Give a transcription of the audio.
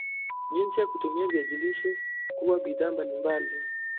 jinsi ya kutumia ya Viazi lishe kuwa bidhaa mbalimbali